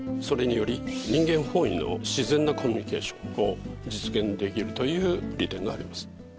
それにより人間本位の自然なコミュニケーションを実現できるという利点があります。